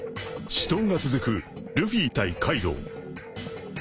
［死闘が続くルフィ対カイドウ］